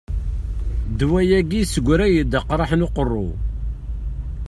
Ddwa-agi yesseggray-d aqraḥ n uqerru.